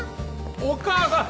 ・お母さん！